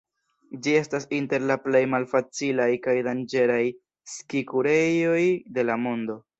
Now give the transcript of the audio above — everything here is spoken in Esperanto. Ĝi estas inter la plej malfacilaj kaj danĝeraj ski-kurejoj de la mondo.